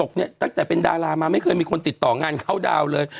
ตั้งแต่เป็นดารามาไม่เคยมีคนติดต่องานเข้าดาวน์เลย